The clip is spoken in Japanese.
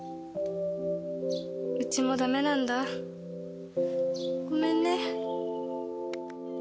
うちもダメなんだごめんね。